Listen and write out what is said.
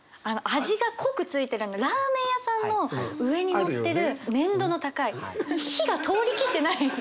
味が濃くついてるラーメン屋さんの上に載ってる粘度の高い火が通りきってない。